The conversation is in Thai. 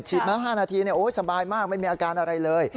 มา๕นาทีสบายมากไม่มีอาการอะไรเลย